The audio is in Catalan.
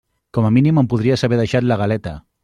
Com a mínim em podries haver deixat la galeta.